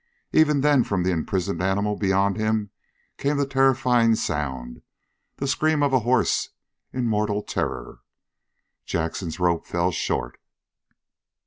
Even then from the imprisoned animal beyond him came that terrifying sound, the scream of a horse in mortal terror. Jackson's rope fell short.